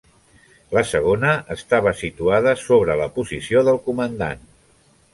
La segona estava situada sobre la posició del comandant.